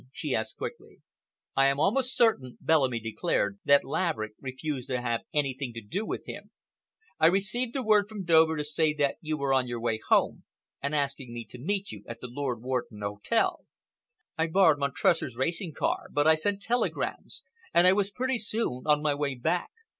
she asked quickly. "I am almost certain," Bellamy declared, "that Laverick refused to have anything to do with him. I received a wire from Dover to say that you were on your way home, and asking me to meet you at the Lord Warden Hotel. I borrowed Montresor's racing car, but I sent telegrams, and I was pretty soon on my way back.